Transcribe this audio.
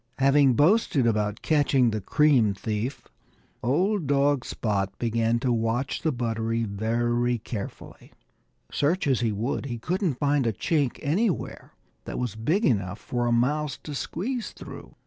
Having boasted about catching the cream thief, old dog Spot began to watch the buttery very carefully. Search as he would, he couldn't find a chink anywhere that was big enough even for a mouse to squeeze through.